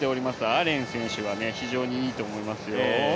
アレン選手は非常にいいと思いますよ。